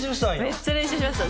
「めっちゃ練習しました」